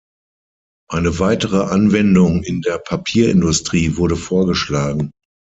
Eine weitere Anwendung in der Papierindustrie wurde vorgeschlagen.